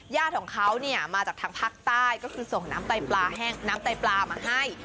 ญาติของเขาเนี่ยมาจากทางภาคใต้ก็คือส่งน้ำไตปลาแห้งน้ำไตปลามาให้